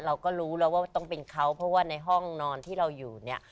เราก็รู้แล้วว่าต้องเป็นเขาเพราะว่าในห้องนอนที่เราอยู่เนี่ย